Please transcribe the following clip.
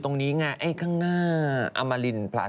สนับสนุนโดยดีที่สุดคือการให้ไม่สิ้นสุด